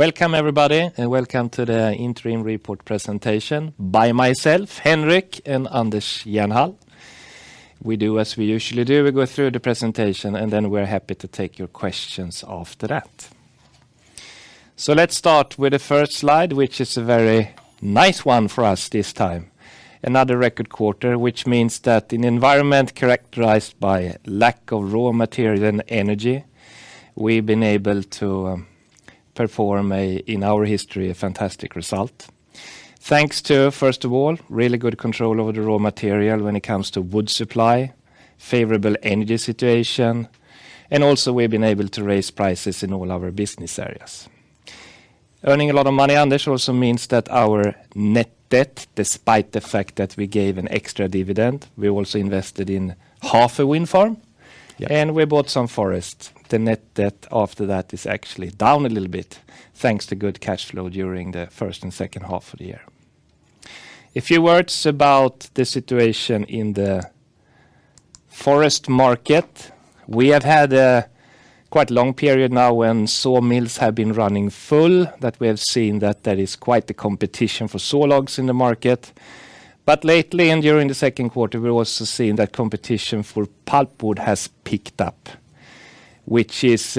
Welcome everybody, and welcome to the interim report presentation by myself, Henrik, and Anders Jernhall. We do as we usually do, we go through the presentation, and then we're happy to take your questions after that. Let's start with the first slide, which is a very nice one for us this time. Another record quarter, which means that in environment characterized by lack of raw material and energy, we've been able to perform a, in our history, a fantastic result. Thanks to, first of all, really good control over the raw material when it comes to wood supply, favorable energy situation, and also we've been able to raise prices in all our business areas. Earning a lot of money, Anders, also means that our net debt, despite the fact that we gave an extra dividend, we also invested in half a wind farm. Yeah. We bought some forest. The net debt after that is actually down a little bit thanks to good cash flow during the first and second half of the year. A few words about the situation in the forest market. We have had a quite long period now when sawmills have been running full, that we have seen that there is quite the competition for sawlogs in the market. Lately, and during the second quarter, we're also seeing that competition for pulpwood has picked up, which is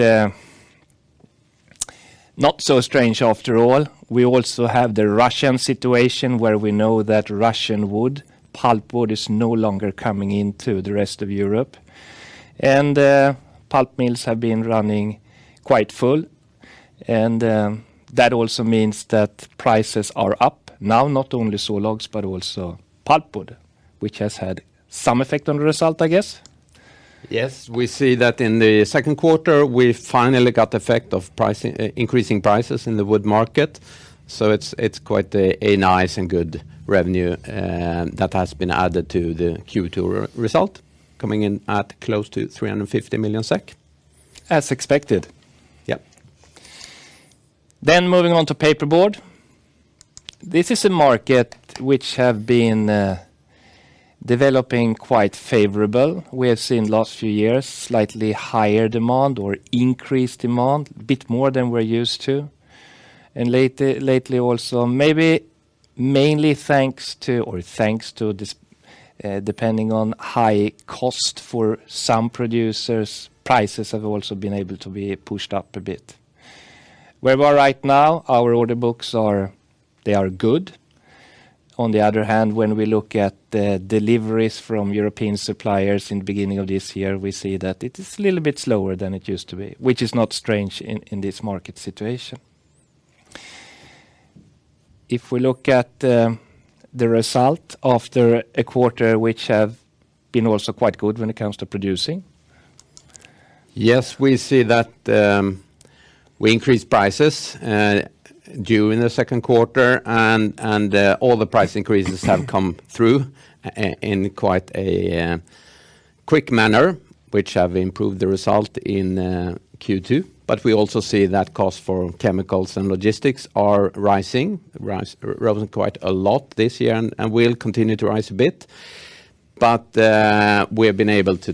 not so strange after all. We also have the Russian situation, where we know that Russian wood, pulpwood, is no longer coming into the rest of Europe. Pulp mills have been running quite full, and that also means that prices are up. Now, not only sawlogs, but also pulpwood, which has had some effect on the result, I guess. Yes. We see that in the second quarter, we finally got the effect of pricing, increasing prices in the wood market, so it's quite a nice and good revenue that has been added to the Q2 result, coming in at close to 350 million SEK. As expected. Yeah. Moving on to paperboard. This is a market which have been developing quite favorable. We have seen last few years slightly higher demand or increased demand, bit more than we're used to. Lately also maybe mainly thanks to this, depending on high cost for some producers, prices have also been able to be pushed up a bit. Where we are right now, our order books are good. On the other hand, when we look at the deliveries from European suppliers in the beginning of this year, we see that it is a little bit slower than it used to be, which is not strange in this market situation. If we look at the result after a quarter which have been also quite good when it comes to producing. Yes, we see that we increased prices during the second quarter and all the price increases have come through in quite a quick manner, which have improved the result in Q2, but we also see that cost for chemicals and logistics are risen quite a lot this year and will continue to rise a bit. We have been able to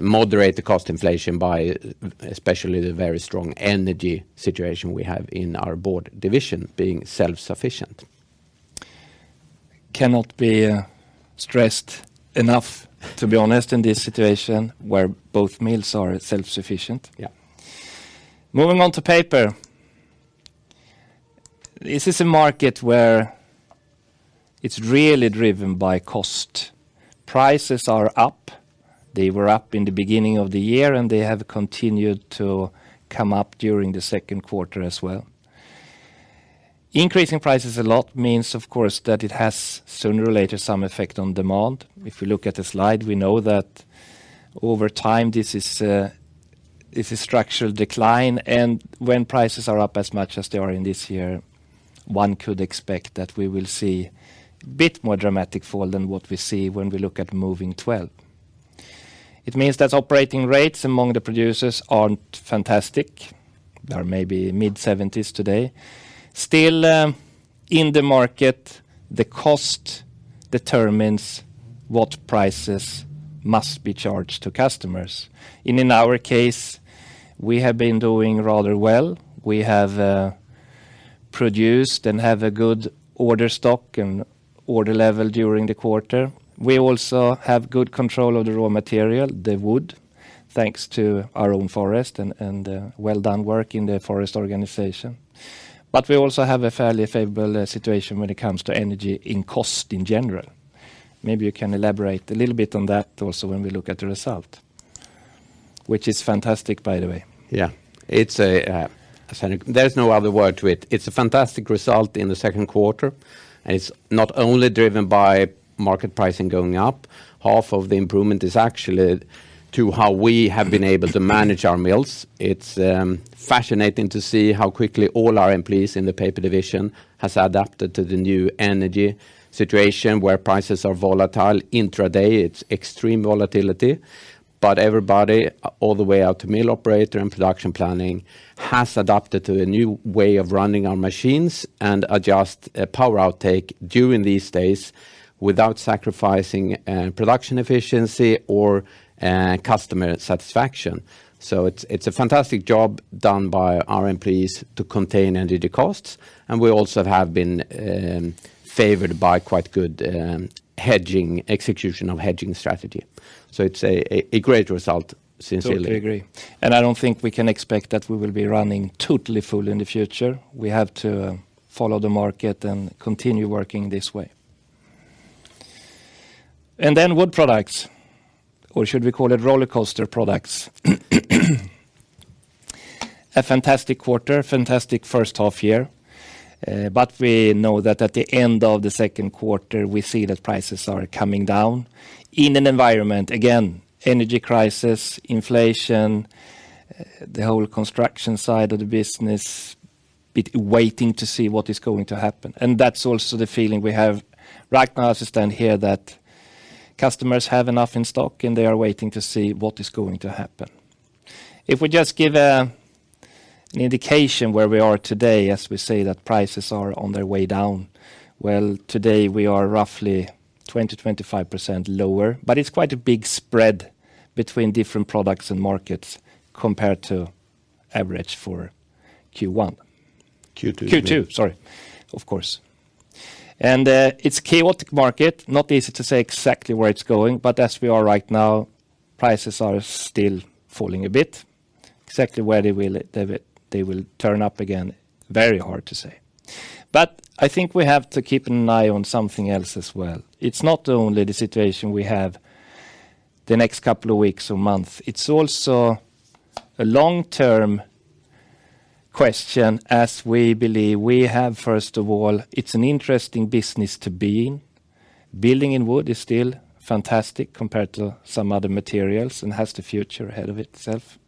moderate the cost inflation by especially the very strong energy situation we have in our board division being self-sufficient. Cannot be stressed enough, to be honest, in this situation where both mills are self-sufficient. Yeah. Moving on to paper. This is a market where it's really driven by cost. Prices are up. They were up in the beginning of the year, and they have continued to come up during the second quarter as well. Increasing prices a lot means, of course, that it has sooner or later some effect on demand. If we look at the slide, we know that over time, this is structural decline, and when prices are up as much as they are in this year, one could expect that we will see a bit more dramatic fall than what we see when we look at trailing 12 months. It means that operating rates among the producers aren't fantastic. They are maybe mid-70s today. Still, in the market, the cost determines what prices must be charged to customers, and in our case, we have been doing rather well. We have produced and have a good order stock and order level during the quarter. We also have good control of the raw material, the wood, thanks to our own forest and well-done work in the forest organization. We also have a fairly favorable situation when it comes to energy and cost in general. Maybe you can elaborate a little bit on that also when we look at the result, which is fantastic by the way. Yeah. It's a. Fantastic. There's no other word to it. It's a fantastic result in the second quarter, and it's not only driven by market pricing going up. Half of the improvement is actually to how we have been able to manage our mills. It's fascinating to see how quickly all our employees in the paper division has adapted to the new energy situation where prices are volatile intraday, it's extreme volatility, but everybody all the way out to mill operator and production planning has adapted to a new way of running our machines and adjust power outtake during these days without sacrificing production efficiency or customer satisfaction. It's a fantastic job done by our employees to contain energy costs, and we also have been favored by quite good hedging execution of hedging strategy. It's a great result, sincerely. Totally agree. I don't think we can expect that we will be running totally full in the future. We have to follow the market and continue working this way. Then wood products, or should we call it rollercoaster products? A fantastic quarter, fantastic first half year, but we know that at the end of the second quarter, we see that prices are coming down in an environment, again, energy crisis, inflation, the whole construction side of the business waiting to see what is going to happen. That's also the feeling we have right now as we stand here that customers have enough in stock, and they are waiting to see what is going to happen. If we just give an indication where we are today as we say that prices are on their way down, well, today we are roughly 20%-25% lower, but it's quite a big spread between different products and markets compared to average for Q1. Q2. Q2, sorry. Of course. It's a chaotic market, not easy to say exactly where it's going, but as we are right now, prices are still falling a bit. Exactly where they will turn up again, very hard to say. I think we have to keep an eye on something else as well. It's not only the situation we have the next couple of weeks or month, it's also a long-term question as we believe we have. First of all, it's an interesting business to be in. Building in wood is still fantastic compared to some other materials and has the future ahead of itself.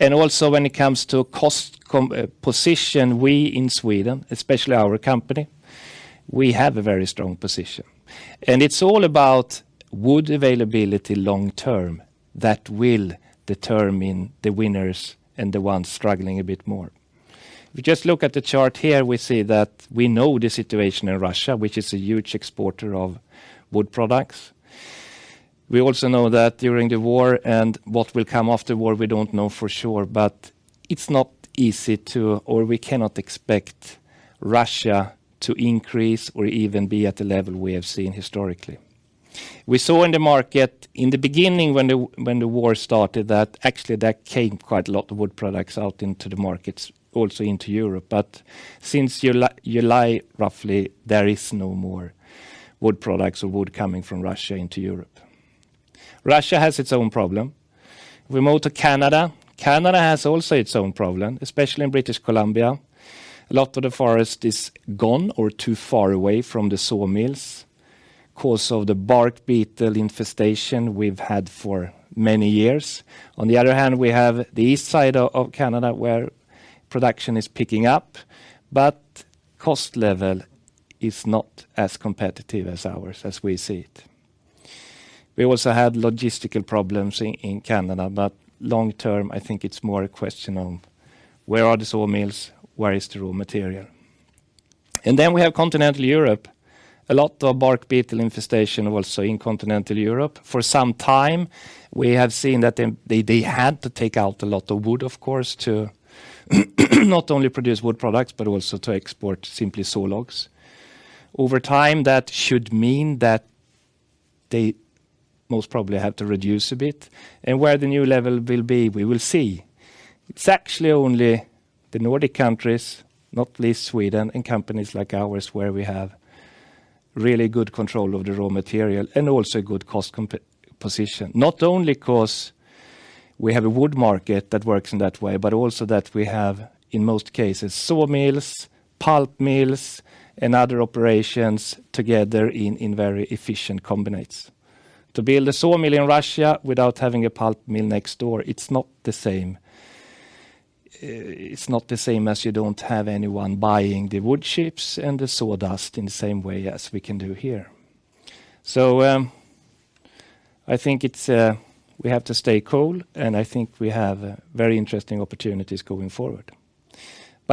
Also when it comes to cost competitive position, we in Sweden, especially our company, we have a very strong position. It's all about wood availability long term that will determine the winners and the ones struggling a bit more. If we just look at the chart here, we see that we know the situation in Russia, which is a huge exporter of wood products. We also know that during the war and what will come after war, we don't know for sure, but it's not easy to or we cannot expect Russia to increase or even be at the level we have seen historically. We saw in the market in the beginning when the war started that actually there came quite a lot of wood products out into the markets, also into Europe. Since July, roughly, there is no more wood products or wood coming from Russia into Europe. Russia has its own problem. We move to Canada. Canada has also its own problem, especially in British Columbia. A lot of the forest is gone or too far away from the sawmills because of the bark beetle infestation we've had for many years. On the other hand, we have the east side of Canada where production is picking up, but cost level is not as competitive as ours as we see it. We also had logistical problems in Canada, but long term, I think it's more a question of where are the sawmills? Where is the raw material? We have continental Europe. A lot of bark beetle infestation also in continental Europe. For some time, we have seen that they had to take out a lot of wood, of course, to not only produce wood products, but also to export simply saw logs. Over time, that should mean that they most probably have to reduce a bit. Where the new level will be, we will see. It's actually only the Nordic countries, not least Sweden and companies like ours, where we have really good control of the raw material and also good cost position. Not only because we have a wood market that works in that way, but also that we have, in most cases, sawmills, pulp mills, and other operations together in very efficient combinates. To build a sawmill in Russia without having a pulp mill next door, it's not the same. It's not the same as you don't have anyone buying the wood chips and the sawdust in the same way as we can do here. I think we have to stay cool, and I think we have very interesting opportunities going forward.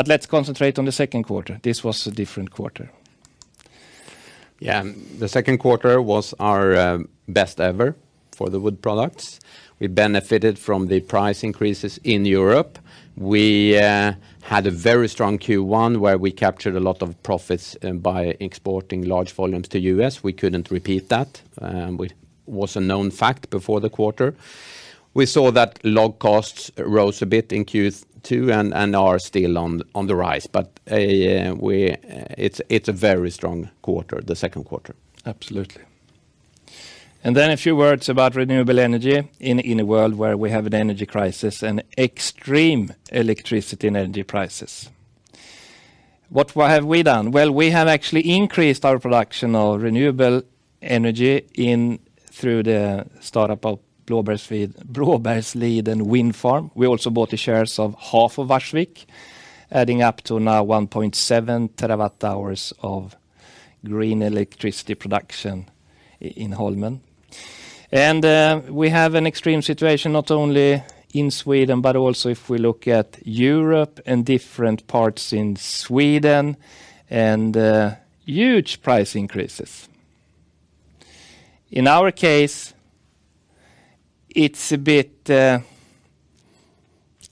Let's concentrate on the second quarter. This was a different quarter. Yeah. The second quarter was our best ever for the wood products. We benefited from the price increases in Europe. We had a very strong Q1 where we captured a lot of profits by exporting large volumes to U.S. We couldn't repeat that, which was a known fact before the quarter. We saw that log costs rose a bit in Q2 and are still on the rise. It's a very strong quarter, the second quarter. Absolutely. A few words about renewable energy in a world where we have an energy crisis and extreme electricity and energy prices. What have we done? Well, we have actually increased our production of renewable energy through the startup of Blåbergsliden Wind Farm. We also bought the shares of half of Varsvik, adding up to now 1.7 terawatt-hours of green electricity production in Holmen. We have an extreme situation not only in Sweden, but also if we look at Europe and different parts in Sweden and huge price increases. In our case, it's a bit.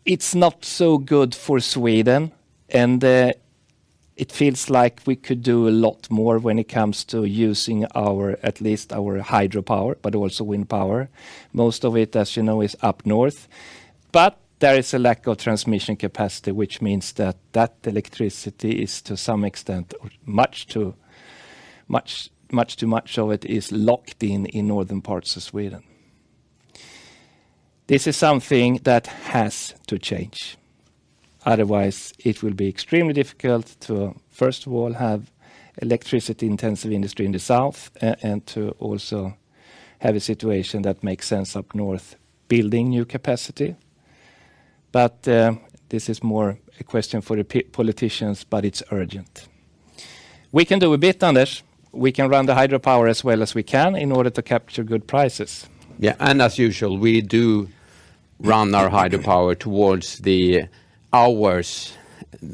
It's not so good for Sweden, and it feels like we could do a lot more when it comes to using our, at least our hydropower, but also wind power. Most of it, as you know, is up north. There is a lack of transmission capacity, which means that electricity is to some extent much too much of it is locked in northern parts of Sweden. This is something that has to change, otherwise it will be extremely difficult to, first of all, have electricity-intensive industry in the south and to also have a situation that makes sense up north building new capacity. This is more a question for the politicians, but it's urgent. We can do a bit, Anders. We can run the hydropower as well as we can in order to capture good prices. Yeah. As usual, we do run our hydropower towards the hours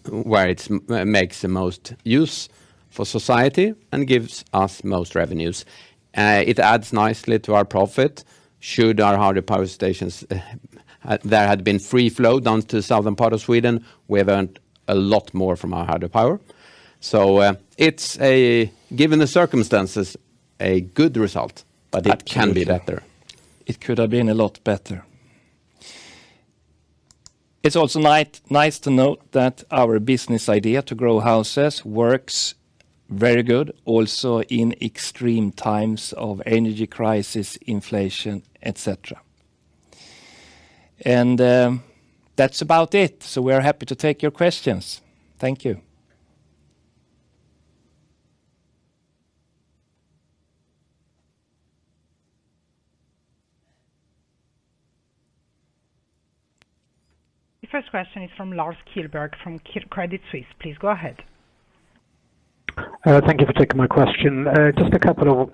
where it makes the most use for society and gives us most revenues. It adds nicely to our profit. Should our hydropower stations there had been free flow down to the southern part of Sweden, we've earned a lot more from our hydropower. It's given the circumstances, a good result, but it can be better. It could have been a lot better. It's also nice to note that our business idea to grow houses works very good also in extreme times of energy crisis, inflation, et cetera. That's about it. We're happy to take your questions. Thank you. The first question is from Lars Kjellberg from Credit Suisse. Please go ahead. Thank you for taking my question. Just a couple of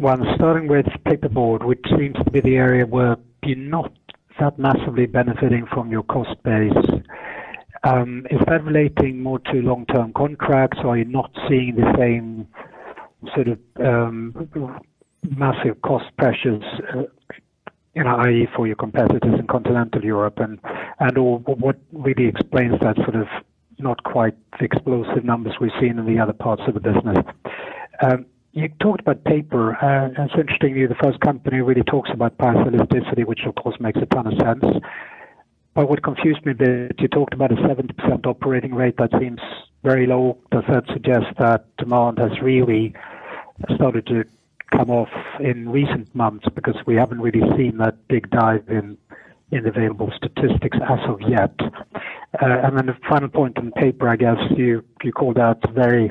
questions starting with paperboard, which seems to be the area where you're not that massively benefiting from your cost base. Is that relating more to long-term contracts? Are you not seeing the same sort of massive cost pressures, you know, i.e., for your competitors in continental Europe and/or what really explains that sort of not quite explosive numbers we've seen in the other parts of the business? You talked about paper, and interestingly, the first company really talks about price elasticity, which of course makes a ton of sense. What confused me a bit, you talked about a 70% operating rate, that seems very low. Does that suggest that demand has really started to come off in recent months? Because we haven't really seen that big dive in available statistics as of yet. The final point on paper, I guess, you called out very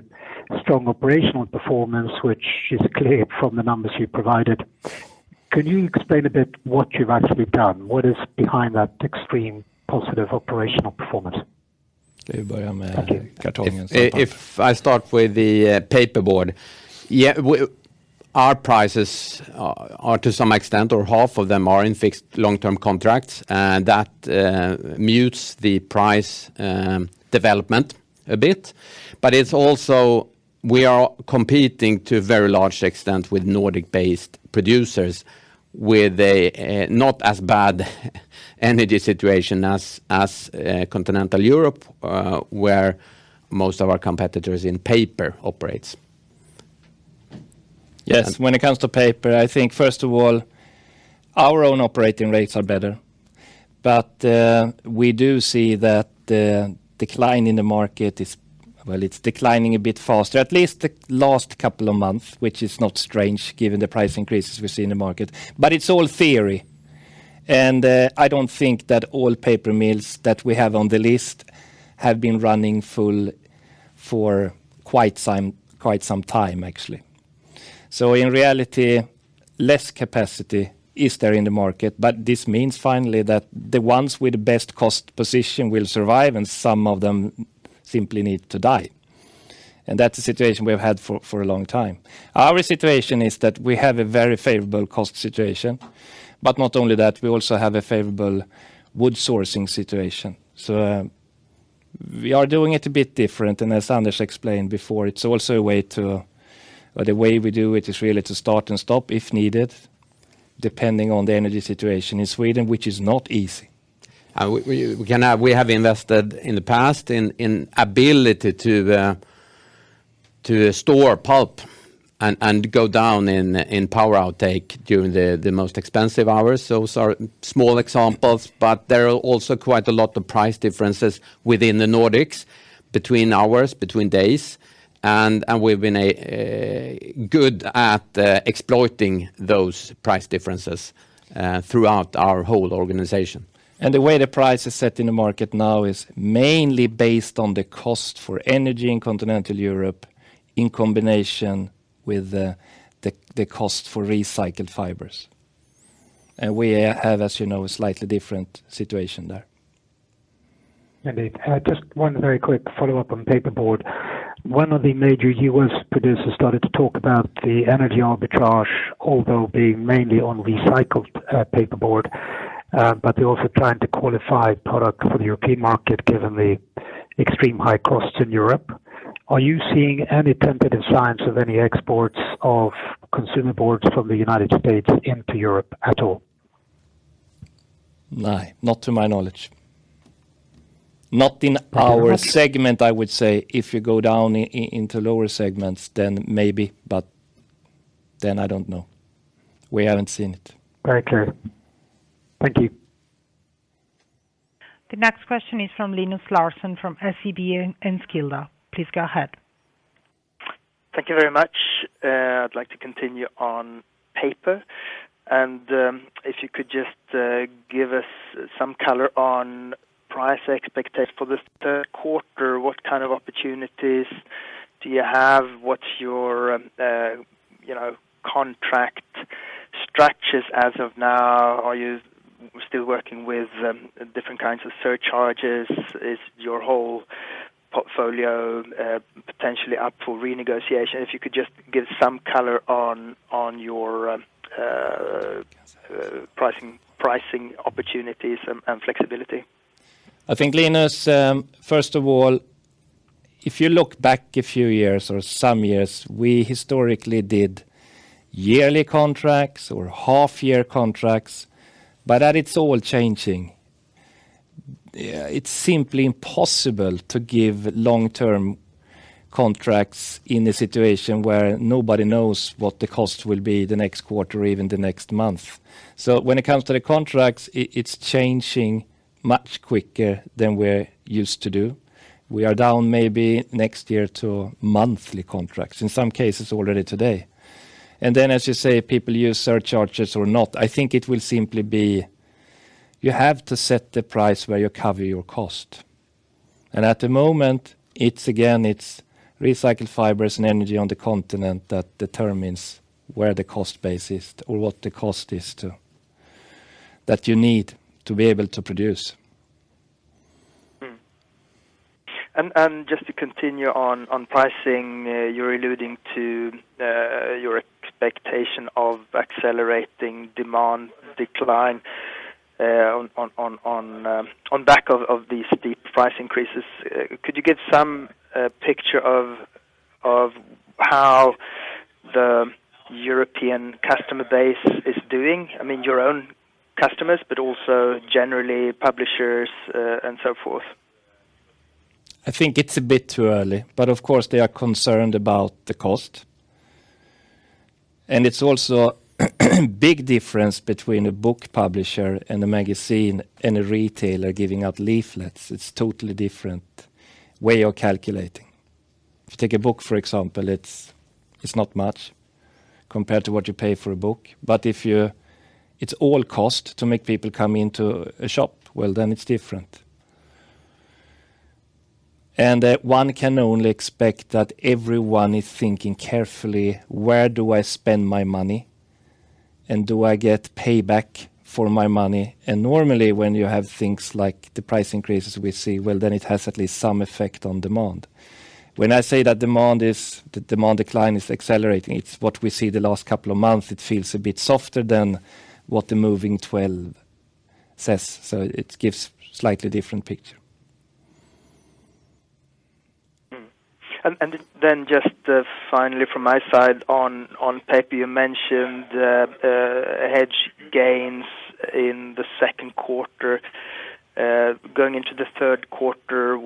strong operational performance, which is clear from the numbers you provided. Can you explain a bit what you've actually done? What is behind that extreme positive operational performance? If I start with the paperboard. Our prices are to some extent, or half of them are in fixed long-term contracts, and that mutes the price development a bit. It's also we are competing to a very large extent with Nordic-based producers with a not as bad energy situation as continental Europe, where most of our competitors in paper operates. Yes. When it comes to paper, I think first of all, our own operating rates are better. We do see that the decline in the market is, well, it's declining a bit faster. At least the last couple of months, which is not strange given the price increases we see in the market. It's all theory, and I don't think that all paper mills that we have on the list have been running full for quite some time actually. In reality, less capacity is there in the market, but this means finally that the ones with the best cost position will survive, and some of them simply need to die. That's the situation we've had for a long time. Our situation is that we have a very favorable cost situation, but not only that, we also have a favorable wood sourcing situation. We are doing it a bit different, and as Anders explained before, it's also a way to, or the way we do it is really to start and stop if needed, depending on the energy situation in Sweden, which is not easy. We have invested in the past in the ability to store pulp and go down in power outtake during the most expensive hours. Those are small examples, but there are also quite a lot of price differences within the Nordics between hours, between days, and we've been good at exploiting those price differences throughout our whole organization. The way the price is set in the market now is mainly based on the cost for energy in continental Europe in combination with the cost for recycled fibers. We have, as you know, a slightly different situation there. Indeed. Just one very quick follow-up on paperboard. One of the major U.S. producers started to talk about the energy arbitrage, although being mainly on recycled paperboard, but they're also trying to qualify product for the European market given the extreme high costs in Europe. Are you seeing any tentative signs of any exports of containerboards from the United States into Europe at all? No, not to my knowledge. Not in our segment, I would say. If you go down into lower segments, then maybe, but then I don't know. We haven't seen it. Very clear. Thank you. The next question is from Linus Larsson from SEB Enskilda. Please go ahead. Thank you very much. I'd like to continue on paper and, if you could just, give us some color on price expectations for this third quarter, what kind of opportunities do you have? What's your, you know, contract structures as of now? Are you still working with, different kinds of surcharges? Is your whole portfolio, potentially up for renegotiation? If you could just give some color on your, pricing opportunities and flexibility. I think, Linus, first of all, if you look back a few years or some years, we historically did yearly contracts or half year contracts, but that's all changing. It's simply impossible to give long-term contracts in a situation where nobody knows what the cost will be the next quarter or even the next month. When it comes to the contracts, it's changing much quicker than we're used to do. We are down maybe next year to monthly contracts in some cases already today. Then, as you say, people use surcharges or not. I think it will simply be you have to set the price where you cover your cost. At the moment, it's again, recycled fibers and energy on the continent that determines where the cost base is or what the cost is that you need to be able to produce. Just to continue on pricing, you're alluding to your expectation of accelerating demand decline on back of these deep price increases. Could you give some picture of how the European customer base is doing? I mean, your own customers, but also generally publishers and so forth. I think it's a bit too early, but of course, they are concerned about the cost. It's also a big difference between a book publisher and a magazine and a retailer giving out leaflets. It's totally different way of calculating. If you take a book, for example, it's not much compared to what you pay for a book. It's all cost to make people come into a shop, well, then it's different. One can only expect that everyone is thinking carefully, "Where do I spend my money, and do I get payback for my money?" Normally, when you have things like the price increases we see, well, then it has at least some effect on demand. When I say that the demand decline is accelerating, it's what we see the last couple of months. It feels a bit softer than what the trailing twelve says. It gives slightly different picture. Just finally from my side on paper, you mentioned hedge gains in the second quarter. Going into the third quarter,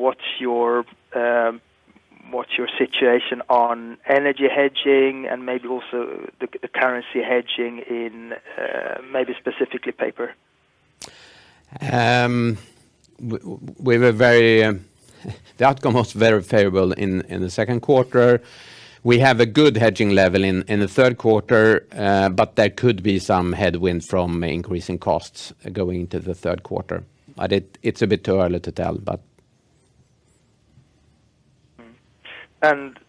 what's your situation on energy hedging and maybe also the currency hedging in maybe specifically paper? We were very, the outcome was very favorable in the second quarter. We have a good hedging level in the third quarter, but there could be some headwind from increasing costs going into the third quarter. It's a bit too early to tell. Could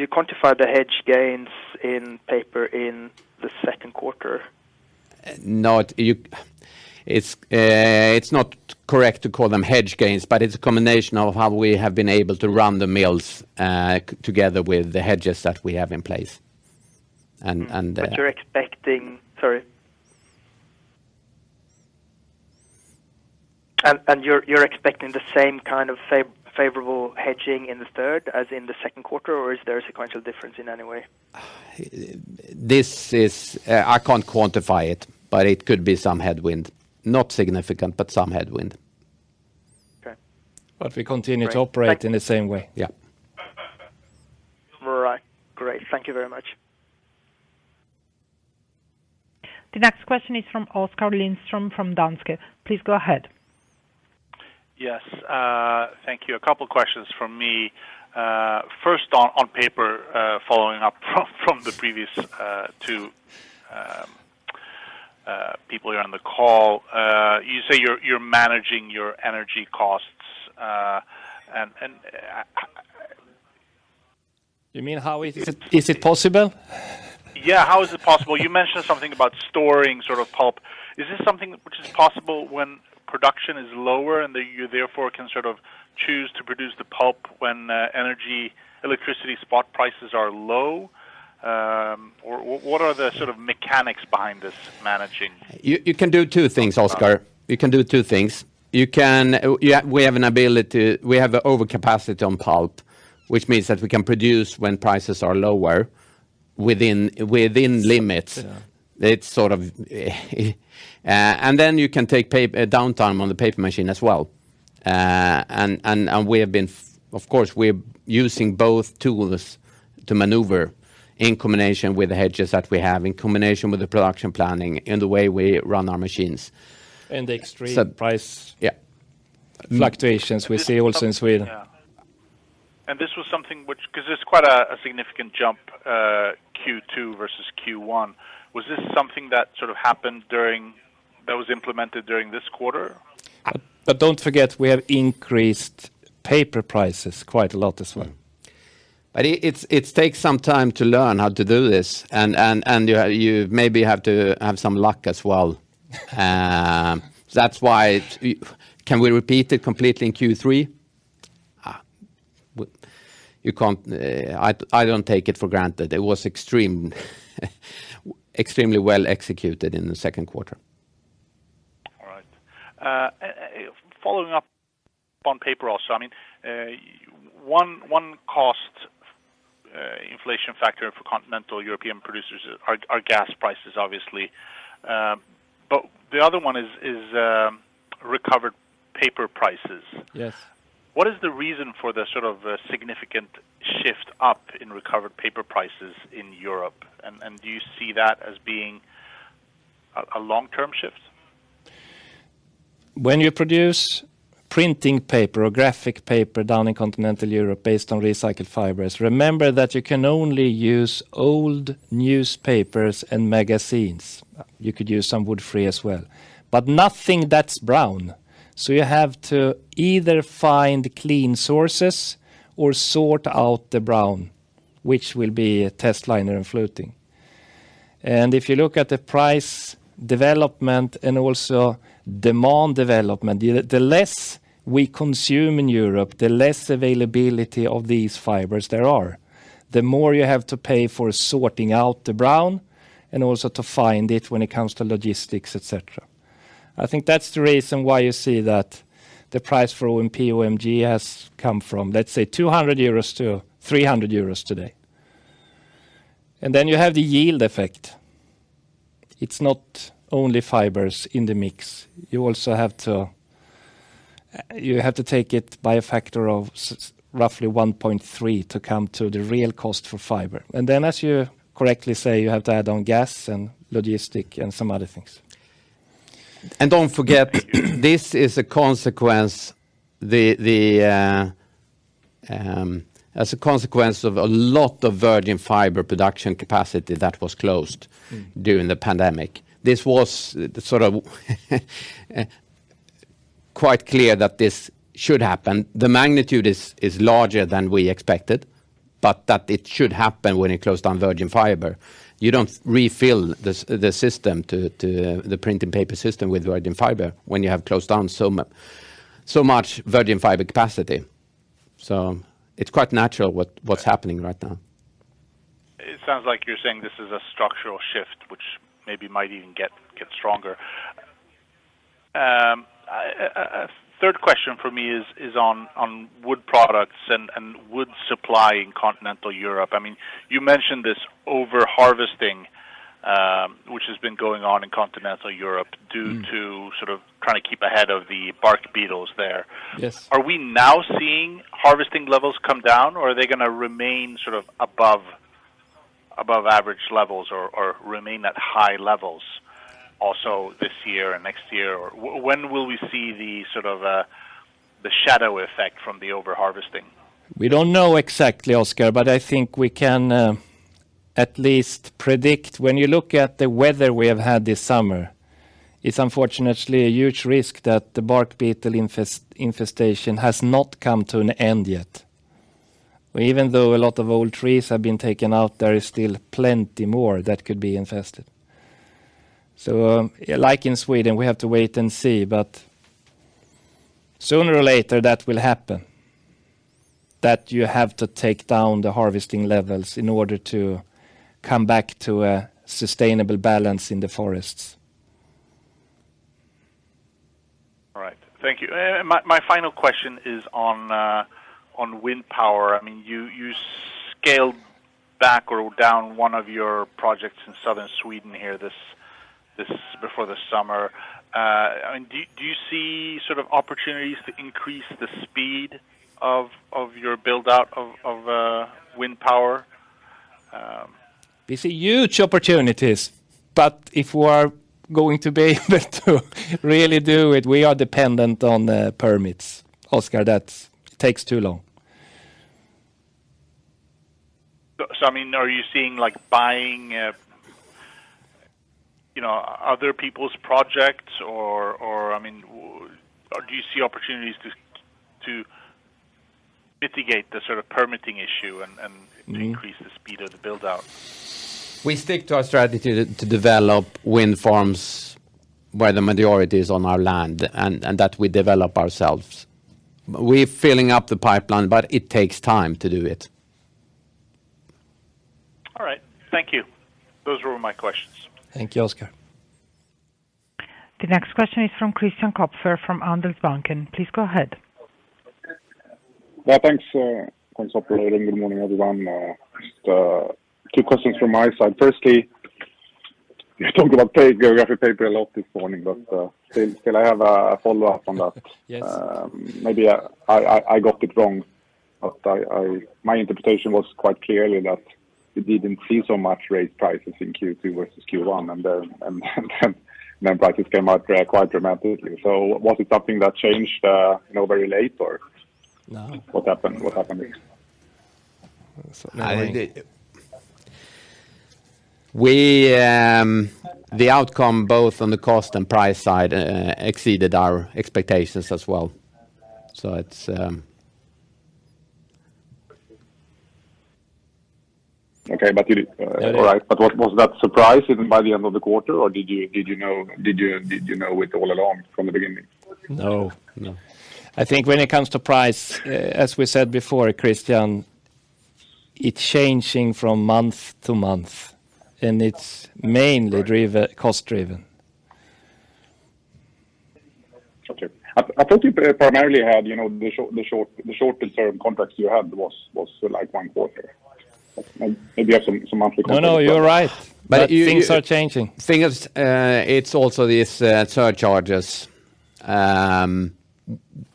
you quantify the hedge gains in paper in the second quarter? No, it's not correct to call them hedge gains, but it's a combination of how we have been able to run the mills, together with the hedges that we have in place. You're expecting the same kind of favorable hedging in the third as in the second quarter, or is there a sequential difference in any way? This is, I can't quantify it, but it could be some headwind. Not significant, but some headwind. Okay. We continue to operate in the same way. Yeah. All right. Great. Thank you very much. The next question is from Oskar Lindström from Danske. Please go ahead. Yes, thank you. A couple questions from me. First on paper, following up from the previous two people here on the call. You say you're managing your energy costs, and I... You mean how is it, is it possible? Yeah. How is it possible? You mentioned something about storing sort of pulp. Is this something which is possible when production is lower and that you therefore can sort of choose to produce the pulp when energy electricity spot prices are low? Or what are the sort of mechanics behind this managing? You can do two things, Oskar. You can do two things. We have an ability. We have overcapacity on pulp, which means that we can produce when prices are lower within limits. Yeah. It's sort of, and then you can take downtime on the paper machine as well. Of course, we're using both tools to maneuver in combination with the hedges that we have, in combination with the production planning, and the way we run our machines. The extreme price. Yeah. Fluctuations we see also in Sweden. Yeah. This was something which 'cause it's quite a significant jump, Q2 versus Q1. Was this something that was implemented during this quarter? Don't forget, we have increased paper prices quite a lot as well. It takes some time to learn how to do this, and you maybe have to have some luck as well. Can we repeat it completely in Q3? You can't. I don't take it for granted. It was extremely well executed in the second quarter. All right. Following up on paper also, I mean, one cost inflation factor for Continental European producers are gas prices, obviously. The other one is recovered paper prices. Yes. What is the reason for the sort of significant shift up in recovered paper prices in Europe? Do you see that as being a long-term shift? When you produce printing paper or graphic paper down in continental Europe based on recycled fibers, remember that you can only use old newspapers and magazines. You could use some wood-free as well, but nothing that's brown. You have to either find clean sources or sort out the brown, which will be testliner and fluting. If you look at the price development and also demand development, the less we consume in Europe, the less availability of these fibers there are, the more you have to pay for sorting out the brown and also to find it when it comes to logistics, et cetera. I think that's the reason why you see that the price for OMP, OMG has come from, let's say 200 euros to 300 euros today. You have the yield effect. It's not only fibers in the mix. You have to take it by a factor of roughly 1.3 to come to the real cost for fiber. Then, as you correctly say, you have to add on gas and logistics and some other things. Don't forget, this is a consequence of a lot of virgin fiber production capacity that was closed. Mm. During the pandemic. This was sort of quite clear that this should happen. The magnitude is larger than we expected, but that it should happen when you close down virgin fiber. You don't refill the system to the printing paper system with virgin fiber when you have closed down so much virgin fiber capacity. It's quite natural what's happening right now. It sounds like you're saying this is a structural shift which maybe might even get stronger. A third question for me is on wood products and wood supply in continental Europe. I mean, you mentioned this overharvesting, which has been going on in continental Europe. Mm. Due to sort of trying to keep ahead of the bark beetles there. Yes. Are we now seeing harvesting levels come down, or are they gonna remain sort of above average levels or remain at high levels also this year and next year? Or when will we see the sort of shadow effect from the overharvesting? We don't know exactly, Oscar, but I think we can at least predict. When you look at the weather we have had this summer, it's unfortunately a huge risk that the bark beetle infestation has not come to an end yet. Even though a lot of old trees have been taken out, there is still plenty more that could be infested. Like in Sweden, we have to wait and see, but sooner or later, that will happen, that you have to take down the harvesting levels in order to come back to a sustainable balance in the forests. All right. Thank you. My final question is on wind power. I mean, you scaled back or down one of your projects in southern Sweden here this before the summer. I mean, do you see sort of opportunities to increase the speed of your build-out of wind power? We see huge opportunities, but if we are going to be able to really do it, we are dependent on the permits. Oscar, that takes too long. I mean, are you seeing, like, buying, you know, other people's projects? Or, I mean, do you see opportunities to mitigate the sort of permitting issue and Mm-hmm. Increase the speed of the build-out? We stick to our strategy to develop wind farms where the majority is on our land and that we develop ourselves. We're filling up the pipeline, but it takes time to do it. All right. Thank you. Those were all my questions. Thank you, Oscar. The next question is from Christian Kopfer from Handelsbanken. Please go ahead. Well, thanks operator. Good morning, everyone. Just two questions from my side. Firstly, you talked about paper, graphic paper a lot this morning, but still I have a follow-up on that. Yes. Maybe I got it wrong, but my interpretation was quite clearly that you didn't see so much raised prices in Q2 versus Q1, and then prices came out quite dramatically. Was it something that changed, you know, very late, or- No. What happened here? I did. The outcome both on the cost and price side exceeded our expectations as well. It's... What was that surprise even by the end of the quarter, or did you know it all along from the beginning? No. I think when it comes to price, as we said before, Christian, it's changing from month to month, and it's mainly cost-driven. Okay. I thought you primarily had, you know, the shortest term contracts you had was like one quarter. Maybe you have some monthly contracts as well. No, no, you're right. Things are changing. Things, it's also these surcharges,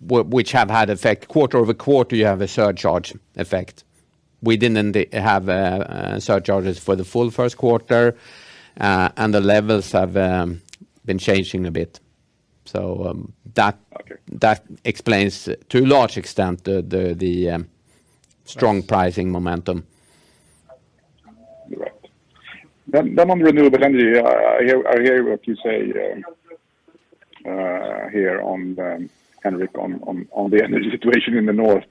which have had effect. Quarter-over-quarter, you have a surcharge effect. We didn't have surcharges for the full first quarter, and the levels have been changing a bit. Okay. That explains to a large extent the strong pricing momentum. Right. On renewable energy, I hear what you say here on Henrik on the energy situation in the north.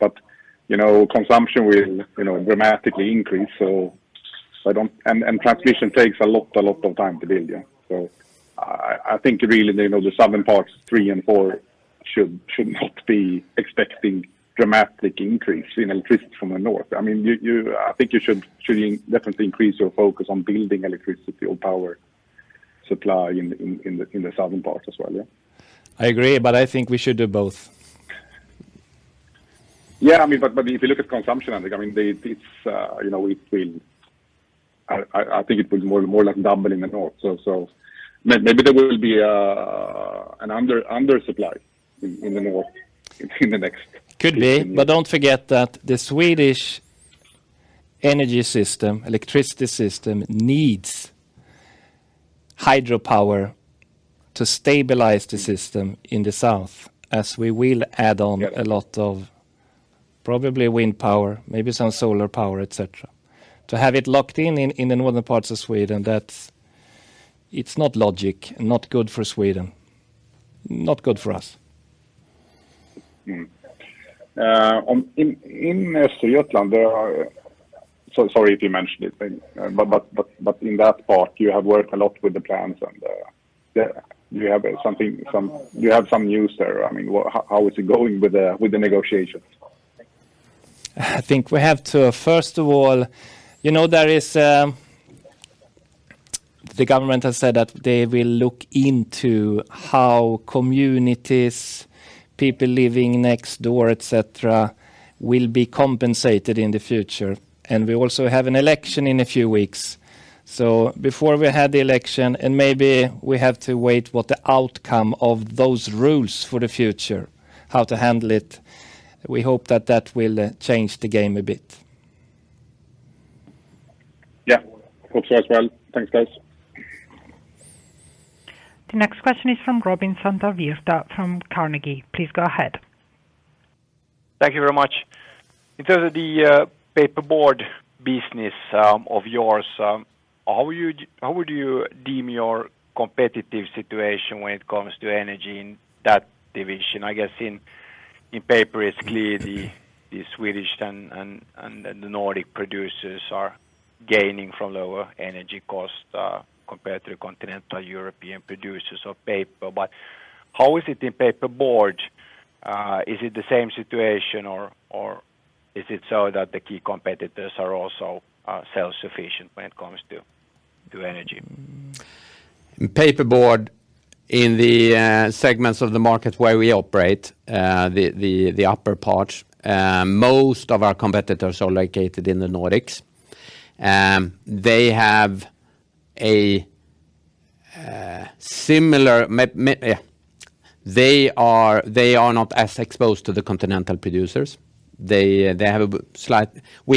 You know, consumption will, you know, dramatically increase. Transmission takes a lot of time to build, yeah? I think really, you know, the southern parts three and four should not be expecting dramatic increase in electricity from the north. I mean, I think you should definitely increase your focus on building electricity or power supply in the southern parts as well, yeah? I agree, but I think we should do both. Yeah. I mean, but if you look at consumption, I think, I mean, it's, you know, it will more like double in the north. Maybe there will be an undersupply in the north in the next- Could be. Don't forget that the Swedish energy system, electricity system needs hydropower to stabilize the system in the south, as we will add on. Yep. A lot of probably wind power, maybe some solar power, et cetera. To have it locked in in the northern parts of Sweden, that's not logical. Not good for Sweden. Not good for us. In Östergötland. Sorry if you mentioned it, but in that part, you have worked a lot with the plans. Do you have some news there? I mean, how is it going with the negotiations? I think we have to, first of all. You know, there is. The government has said that they will look into how communities, people living next door, et cetera, will be compensated in the future. We also have an election in a few weeks. Before we have the election, and maybe we have to wait what the outcome of those rules for the future, how to handle it. We hope that will change the game a bit. Yeah. Hope so as well. Thanks, guys. The next question is from Robin Santavirta from Carnegie. Please go ahead. Thank you very much. In terms of the paperboard business of yours, how would you deem your competitive situation when it comes to energy in that division? I guess, in paper, it's clear the Swedish and the Nordic producers are gaining from lower energy costs compared to continental European producers of paper. How is it in paperboard? Is it the same situation or is it so that the key competitors are also self-sufficient when it comes to energy? In paperboard, in the segments of the market where we operate, the upper parts, most of our competitors are located in the Nordics. They are not as exposed to the continental producers. We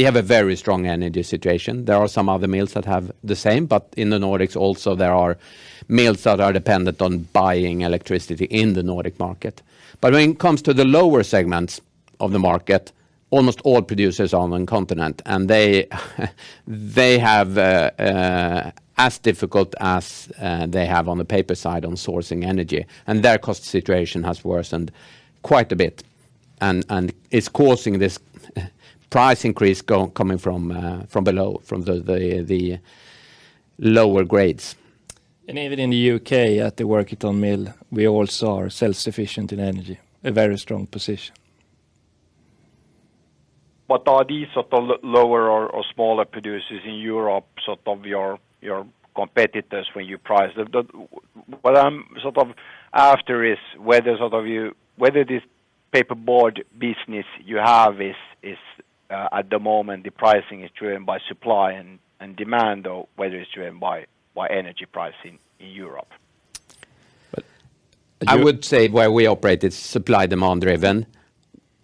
have a very strong energy situation. There are some other mills that have the same, but in the Nordics also, there are mills that are dependent on buying electricity in the Nordic market. When it comes to the lower segments of the market, almost all producers are on the continent, and they have as difficult as they have on the paper side on sourcing energy, and their cost situation has worsened quite a bit. It's causing this price increase coming from below, from the lower grades. Even in the UK, at the Workington mill, we also are self-sufficient in energy. A very strong position. Are these sort of lower or smaller producers in Europe sort of your competitors when you price them? What I'm sort of after is whether this paperboard business you have is, at the moment, the pricing is driven by supply and demand, or whether it's driven by energy pricing in Europe. I would say where we operate, it's supply-demand driven.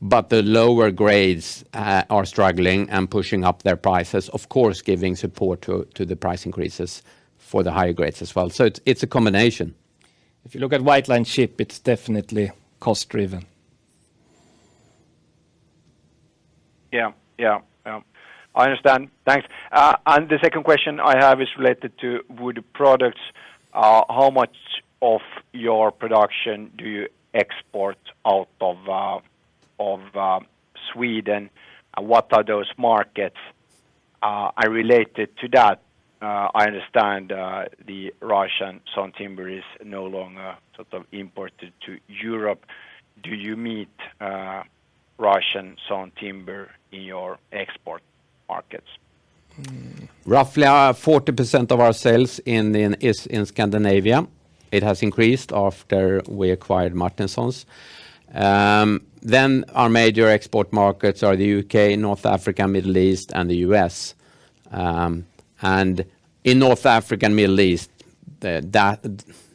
The lower grades are struggling and pushing up their prices, of course, giving support to the price increases for the higher grades as well. It's a combination. If you look at white-lined chipboard, it's definitely cost-driven. Yeah. I understand. Thanks. The second question I have is related to wood products. How much of your production do you export out of Sweden? What are those markets? Related to that, I understand the Russian sawn timber is no longer sort of imported to Europe. Do you meet Russian sawn timber in your export markets? Roughly, 40% of our sales is in Scandinavia. It has increased after we acquired Martinsons. Our major export markets are the U.K., North Africa, Middle East, and the U.S. In North Africa and Middle East, those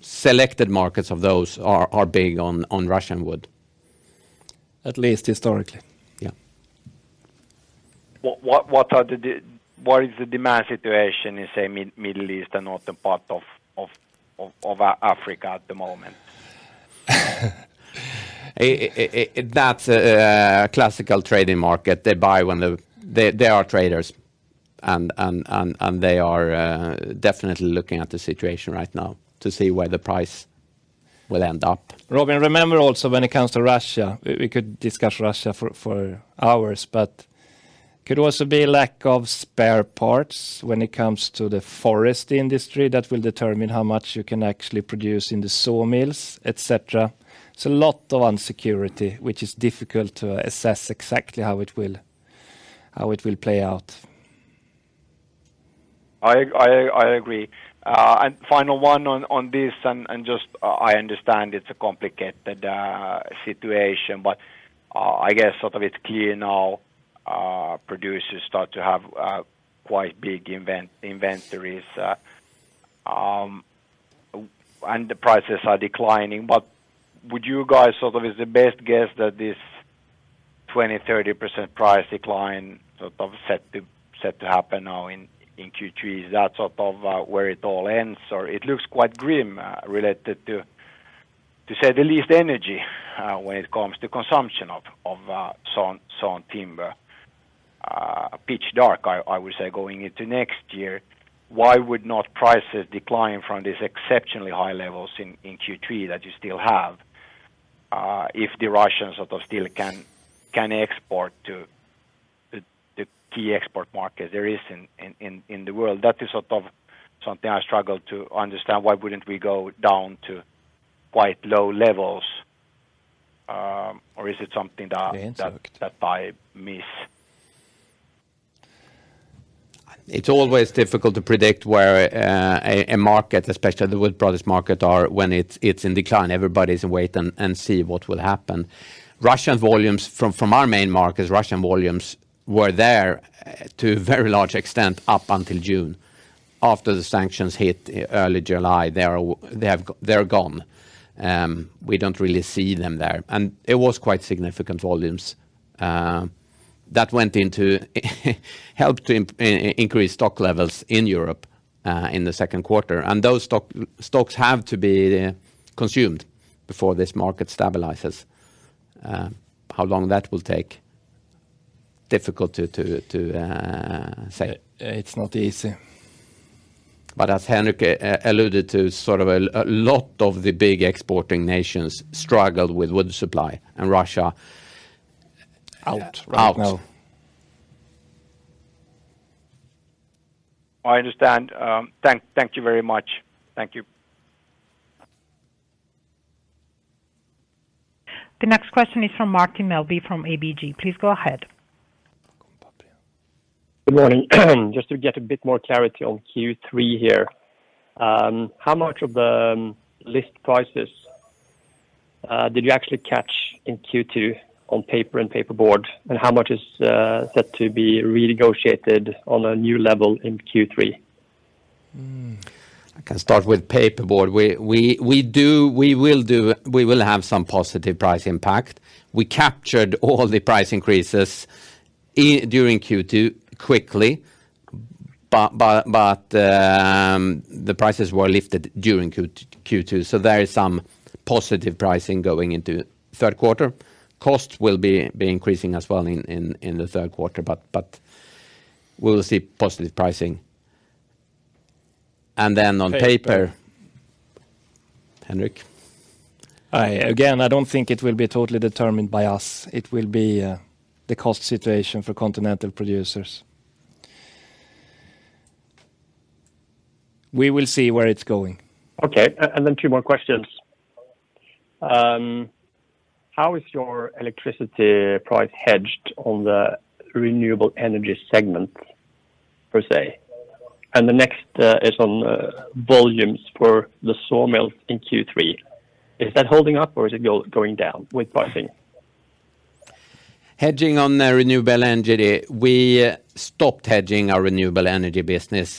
selected markets of those are big on Russian wood. At least historically. Yeah. What is the demand situation in, say, Middle East and northern part of Africa at the moment? That's a classic trading market. They are traders and they are definitely looking at the situation right now to see where the price will end up. Robin, remember also when it comes to Russia, we could discuss Russia for hours, but could also be lack of spare parts when it comes to the forest industry that will determine how much you can actually produce in the sawmills, et cetera. It's a lot of uncertainty, which is difficult to assess exactly how it will play out. I agree. Final one on this and just, I understand it's a complicated situation, but I guess sort of it's clear now, producers start to have quite big inventories and the prices are declining. Would you guys sort of as the best guess that this 20%-30% price decline sort of set to happen now in Q3? Is that sort of where it all ends? It looks quite grim, related to energy, to say the least, when it comes to consumption of sawn timber. Pitch dark, I would say, going into next year. Why would not prices decline from these exceptionally high levels in Q3 that you still have, if the Russians sort of still can export to the key export market there is in the world? That is sort of something I struggle to understand. Why wouldn't we go down to quite low levels? Or is it something that- The answer. ...that I miss? It's always difficult to predict where a market, especially the wood products market, are when it's in decline. Everybody's waiting to see what will happen. Russian volumes from our main markets were there to a very large extent up until June. After the sanctions hit early July, they're gone. We don't really see them there. It was quite significant volumes that helped to increase stock levels in Europe in the second quarter. Those stocks have to be consumed before this market stabilizes. How long that will take is difficult to say. It's not easy. As Henrik alluded to, sort of a lot of the big exporting nations struggled with wood supply, and Russia. Out right now. Out. I understand. Thank you very much. Thank you. The next question is from Martin Melbye from ABG. Please go ahead. Good morning. Just to get a bit more clarity on Q3 here. How much of the list prices did you actually catch in Q2 on paper and paperboard? How much is set to be renegotiated on a new level in Q3? I can start with paperboard. We will have some positive price impact. We captured all the price increases during Q2 quickly, but the prices were lifted during Q2, so there is some positive pricing going into third quarter. Costs will be increasing as well in the third quarter, but we'll see positive pricing. On paper- Paper. Henrik. Again, I don't think it will be totally determined by us. It will be, the cost situation for continental producers. We will see where it's going. Okay. Two more questions. How is your electricity price hedged on the renewable energy segment per se? The next is on volumes for the sawmills in Q3. Is that holding up or is it going down with pricing? Hedging on the renewable energy, we stopped hedging our renewable energy business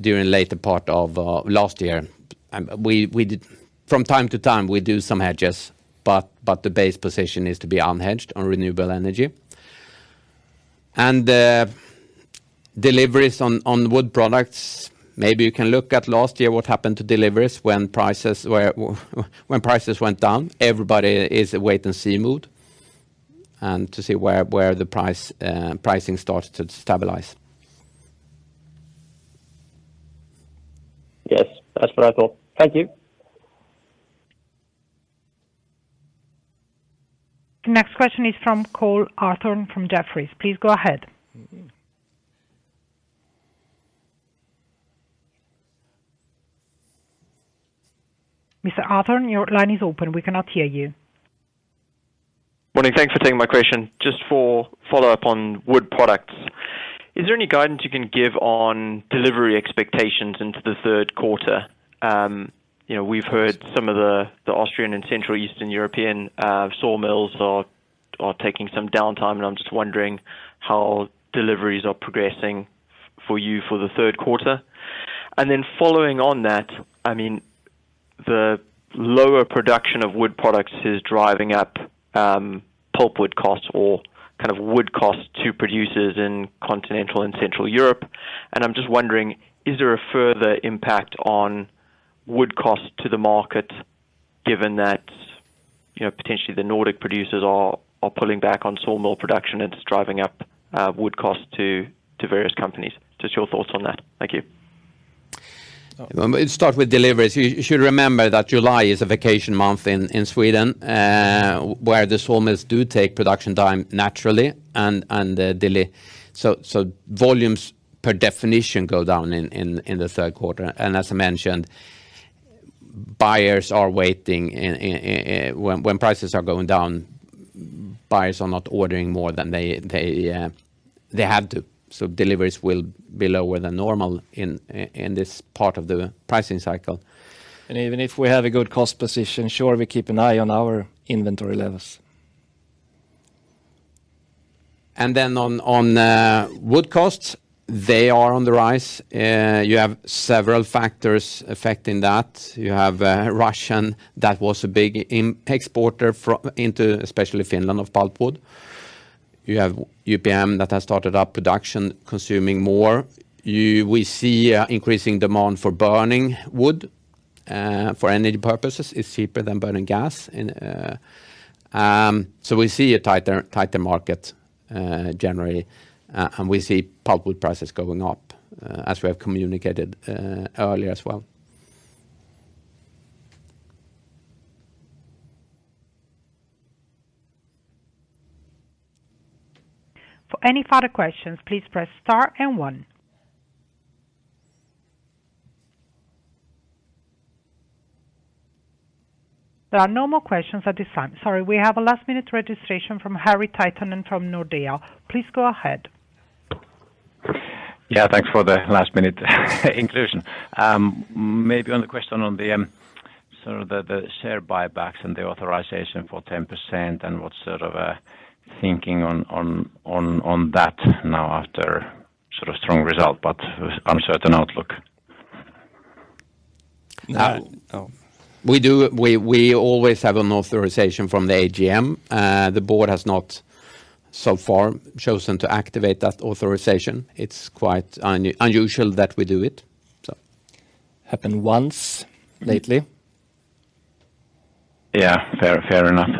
during later part of last year. From time to time, we do some hedges, but the base position is to be unhedged on renewable energy. The deliveries on wood products, maybe you can look at last year what happened to deliveries when prices went down, everybody is a wait and see mood and to see where the pricing starts to stabilize. Yes, that's what I thought. Thank you. The next question is from Cole Hathorn from Jefferies. Please go ahead. Mr. Hathorn, your line is open. We cannot hear you. Morning. Thanks for taking my question. Just for follow-up on wood products. Is there any guidance you can give on delivery expectations into the third quarter? You know, we've heard some of the Austrian and Central Eastern European sawmills are taking some downtime, and I'm just wondering how deliveries are progressing for you for the third quarter. Following on that, I mean, the lower production of wood products is driving up pulpwood costs or kind of wood costs to producers in Continental and Central Europe. I'm just wondering, is there a further impact on wood cost to the market given that, you know, potentially the Nordic producers are pulling back on sawmill production and it's driving up wood cost to various companies? Just your thoughts on that. Thank you. Let's start with deliveries. You should remember that July is a vacation month in Sweden, where the sawmills do take production time naturally and volumes per definition go down in the third quarter. As I mentioned, buyers are waiting. When prices are going down, buyers are not ordering more than they have to. Deliveries will be lower than normal in this part of the pricing cycle. Even if we have a good cost position, sure, we keep an eye on our inventory levels. On wood costs, they are on the rise. You have several factors affecting that. You have Russia that was a big exporter into especially Finland of pulpwood. You have UPM that has started up production consuming more. We see an increasing demand for burning wood for energy purposes. It's cheaper than burning gas and so we see a tighter market generally, and we see pulpwood prices going up as we have communicated earlier as well. For any further questions, please press star and one. There are no more questions at this time. Sorry, we have a last-minute registration from Harri Taittonen from Nordea. Please go ahead. Yeah, thanks for the last-minute inclusion. Maybe on the question on the sort of share buybacks and the authorization for 10% and what sort of thinking on that now after sort of strong result but with uncertain outlook. Now- Oh. We always have an authorization from the AGM. The board has not so far chosen to activate that authorization. It's quite unusual that we do it, so. Happened once lately. Yeah, fair enough.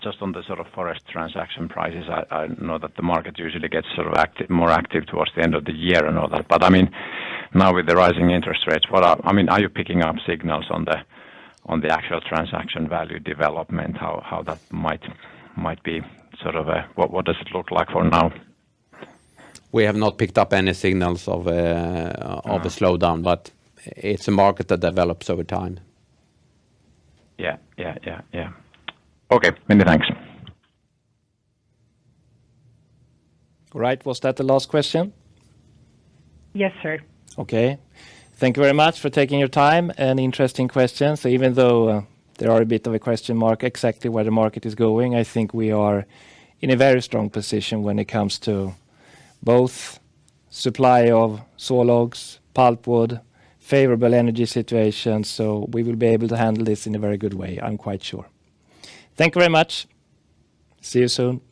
Just on the sort of forest transaction prices, I know that the market usually gets sort of more active towards the end of the year and all that. With the rising interest rates, I mean, are you picking up signals on the actual transaction value development. How that might be sort of. What does it look like for now. We have not picked up any signals of a slowdown, but it's a market that develops over time. Yeah. Okay. Many thanks. All right. Was that the last question? Yes, sir. Okay. Thank you very much for taking your time and interesting questions. Even though there are a bit of a question mark exactly where the market is going, I think we are in a very strong position when it comes to both supply of sawlogs, pulpwood, favorable energy situation, so we will be able to handle this in a very good way, I'm quite sure. Thank you very much. See you soon.